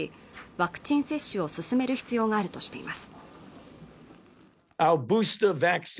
ワクチン接種を進める必要があるとしています